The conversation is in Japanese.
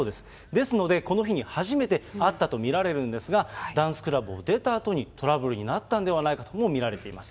ですので、この日に初めて会ったと見られるんですが、ダンスクラブを出たあとにトラブルになったんではないかとも見られています。